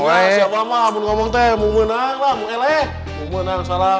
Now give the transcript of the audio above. siapa siapa pun bilang mau menang mau menang salah